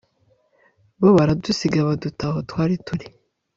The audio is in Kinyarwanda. bo baradusiga baduta aho twari turi